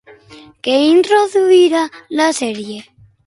Què introduiria la sèrie?